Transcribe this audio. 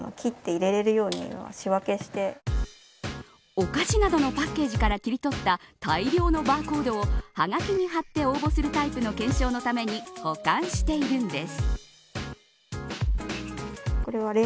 お菓子などのパッケージから切り取った大量のバーコードをはがきに貼って応募するタイプの懸賞のために保管しているんです。